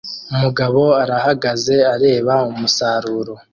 Umugabo arahagaze areba umusaruro